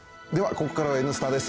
ここからは「Ｎスタ」です。